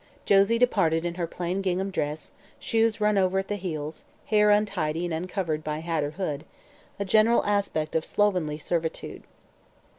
Josie departed in her plain gingham dress, shoes run over at the heels, hair untidy and uncovered by hat or hood a general aspect of slovenly servitude.